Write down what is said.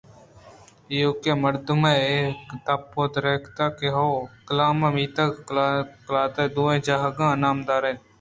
ایوک ءَمردمے ءِ دپ ءَ دراتک کہ ہئو! کلام میتگ ءُقلات دوئیں جاگہاں نام دار اِنت